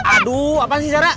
aduh apaan sih zara